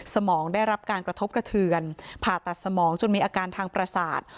สมองได้รับการกระทบกระเทือนผ่าตัดสมองจนมีอาการทางประสาท